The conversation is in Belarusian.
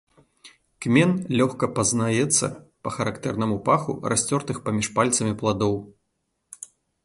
Кмен лёгка пазнаецца па характэрнаму паху расцёртых паміж пальцамі пладоў.